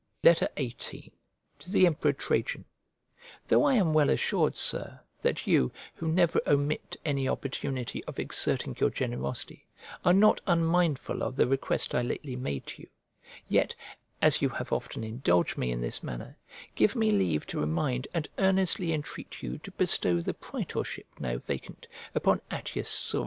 XVIII To THE EMPEROR TRAJAN THOUGH I am well assured, Sir, that you, who never omit any opportunity of exerting your generosity, are not unmindful of the request I lately made to you, yet, as you have often indulged me in this manner, give me leave to remind and earnestly entreat you to bestow the praetorship now vacant upon Attius Sura.